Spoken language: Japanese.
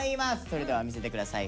それでは見せて下さい。